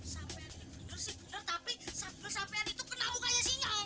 sampai ini benar sih benar tapi sambil sampai itu kenal bukanya sinyal